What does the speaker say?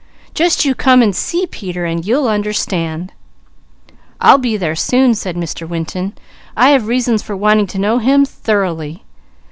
Just you come and see Peter, and you'll understand " "I'll be there soon," said Mr. Winton. "I have reasons for wanting to know him thoroughly.